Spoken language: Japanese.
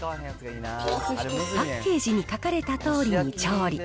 パッケージに書かれたとおりに調理。